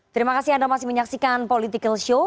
terima kasih anda masih menyaksikan political show